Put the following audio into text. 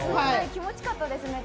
気持ちよかったです。